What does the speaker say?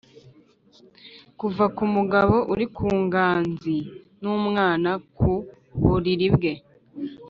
kuva kumugabo uri ku ngazi n'umwana ku buriri bwe.